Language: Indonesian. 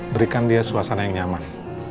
berikan dia suasana yang nyaman